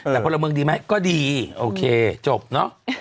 แต่พลเมืองดีไหมก็ดีโอเคจบเนอะ